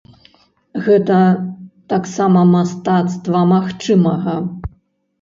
Гэта таксама мастацтва магчымага.